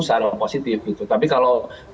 secara positif tapi kalau